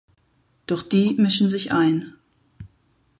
Doch die mischen sich ein.